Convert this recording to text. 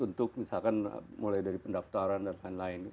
untuk misalkan mulai dari pendaftaran dan lain lain